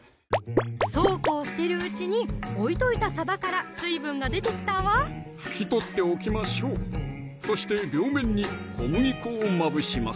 そうこうしてるうちに置いといたさばから水分が出てきたわ拭き取っておきましょうそして両面に小麦粉をまぶします